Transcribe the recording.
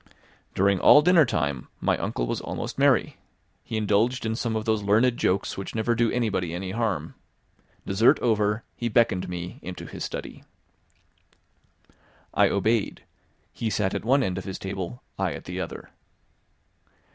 During all dinner time my uncle was almost merry; he indulged in some of those learned jokes which never do anybody any harm. Dessert over, he beckoned me into his study. I obeyed; he sat at one end of his table, I at the other.